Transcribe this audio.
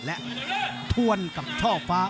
และถวลกับชอบฟ้า